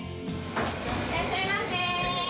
いらっしゃいませ。